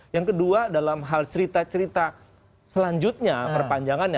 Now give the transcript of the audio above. yang kedua dalam hal cerita cerita selanjutnya perpanjangannya